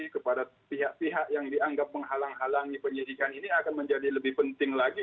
kepada pihak pihak yang dianggap menghalang halangi penyidikan ini akan menjadi lebih penting lagi